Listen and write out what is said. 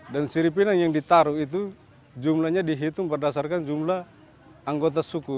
dan siripinang yang ditaruh itu jumlahnya dihitung berdasarkan jumlah anggota suku